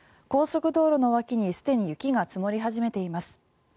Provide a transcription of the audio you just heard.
高速道路の脇にすでに雪が積もり始めています。